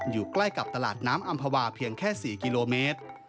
อยู่ใกล้กับตลาดน้ำอำภาวาเพียงแค่๔กิโลเมตร